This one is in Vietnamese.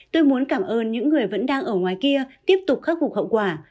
tôi muốn cảm ơn những người vẫn đang ở ngoài kia tiếp tục khắc phục hậu quả